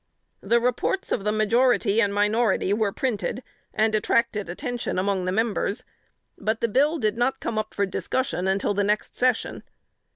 The reports of the majority and minority were printed, and attracted attention among the members; but the bill did not come up for discussion until the next session.